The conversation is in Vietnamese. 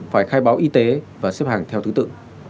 phải khai báo y tế và xếp hàng theo thứ tự